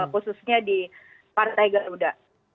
khususnya di partai garuda